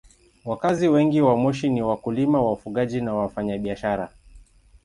Wakazi wengi wa Moshi ni wakulima, wafugaji na wafanyabiashara.